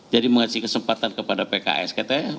jadi mengasih kesempatan kepada pks